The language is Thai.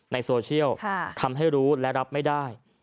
ในโซเชียลทำให้รู้และรับไม่ได้